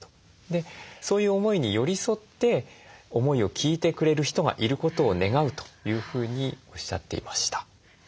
そういう思いに寄り添って思いを聞いてくれる人がいることを願うというふうにおっしゃっていました。